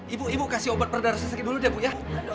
ibu ibu kasih obat perdana segi dulu deh bu ya